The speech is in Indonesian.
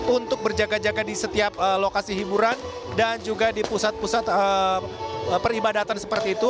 untuk berjaga jaga di setiap lokasi hiburan dan juga di pusat pusat peribadatan seperti itu